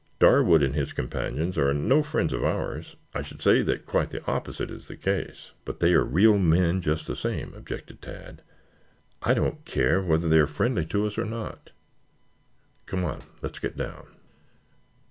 "Darwood and his companions are no friends of ours. I should say that quite the opposite is the case." "But they are real men, just the same," objected Tad. "I don't care whether they are friendly to us or not. Come on; let's get down."